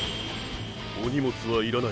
お荷物は要らない。